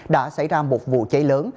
đã xảy ra một vụ cháy lớn